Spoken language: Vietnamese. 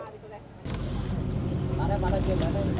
cảm ơn các bạn đã theo dõi và hẹn gặp lại